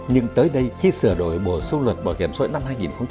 nhưng tới đây khi sửa đổi bộ sâu luật bảo hiểm xã hội năm hai nghìn một mươi bốn